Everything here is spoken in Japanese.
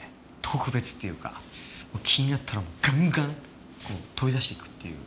特別っていうか気になったらガンガン飛び出していくっていう。